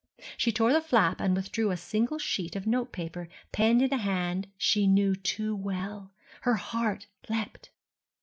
She tore the flap and withdrew a single sheet of notepaper penned in a hand she knew too well. Her heart leapt....